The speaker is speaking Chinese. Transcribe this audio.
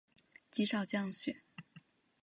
极少降雪。